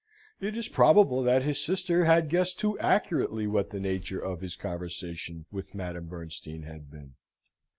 It is probable that his sister had guessed too accurately what the nature of his conversation wit Madame Bernstein had been.